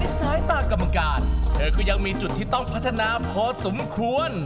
สายตากรรมการเธอก็ยังมีจุดที่ต้องพัฒนาพอสมควร